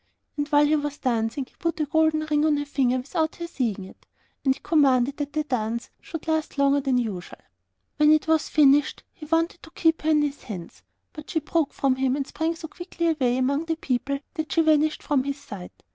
And while he was dancing, he put a gold ring on her finger without her seeing it, and he commanded that the dance should last longer than usual. When it was finished he wanted to keep her hands in his, but she broke from him, and sprang so quickly away among the people that she vanished from his sight.